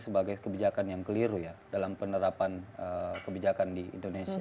sebagai kebijakan yang keliru ya dalam penerapan kebijakan di indonesia